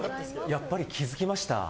やっぱり気づきました。